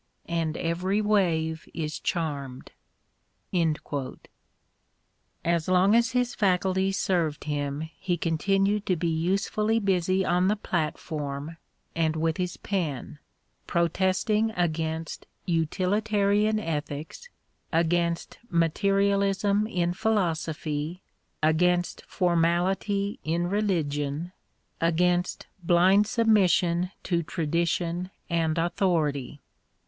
And every wave is charmed." As long as his faculties served him he continued to be usefully busy on the platform and with his pen, protesting against utilitarian ethics, against materialism in philosophy, against formality in religion, against blind submission to tradition and authority.